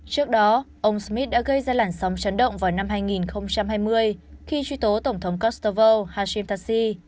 trước đó ông smith đã gây ra làn sóng chấn động vào năm hai nghìn hai mươi khi truy tố tổng thống kostov hashim tassi